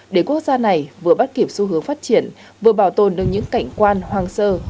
để quốc gia này vừa bắt kịp xu hướng phát triển vừa bảo tồn được những cảnh quan hoang sơ hùng vĩ đặc trưng